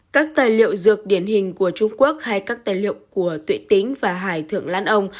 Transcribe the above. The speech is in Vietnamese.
các tài liệu dược điển hình của trung quốc hay các tài liệu của tuệ tính và hải thượng lan ông